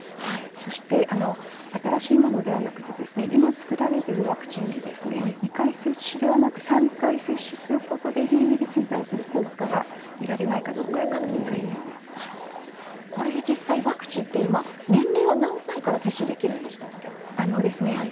そして新しいものではなく今作られているワクチンで２回接種ではなく３回接種することで変異ウイルスに対する効果が見られないかどうかワクチンには今何歳から接種できるんですか。